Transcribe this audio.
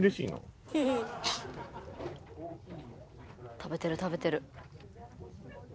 食べてる食べてる。